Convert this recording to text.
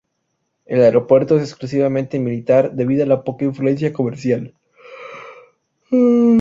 El aeropuerto es exclusivamente militar debido a la poca influencia comercial.